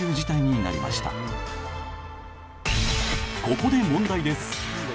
ここで問題です。